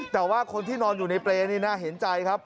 แต่ว่าคนที่นอนอยู่ในเปรย์นี่น่าเห็นใจครับ